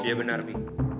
iya benar fi